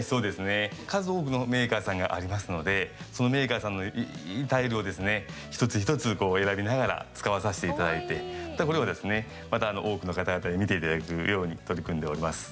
数多くのメーカーさんがありますのでそのメーカーさんのタイルを一つ一つ選びながら使わさせていただいてこれを多くの方々に見ていただくように取り組んでおります。